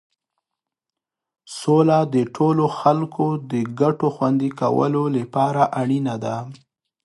سوله د ټولو خلکو د ګټو خوندي کولو لپاره اړینه ده.